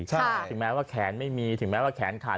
ถึงแม้ว่าแขนไม่มีถึงแม้ว่าแขนขาด